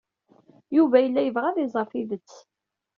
Yuba yella yebɣa ad iẓer tidet.